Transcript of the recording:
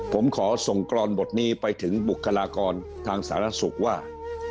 ผมขอส่งกรอนบทนี้ไปถึงบุคลากรทางสารสุขว่า